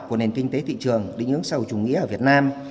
của nền kinh tế thị trường định ứng sâu chủ nghĩa ở việt nam